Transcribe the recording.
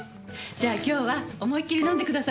じゃ今日は思いっきり飲んでください。ね？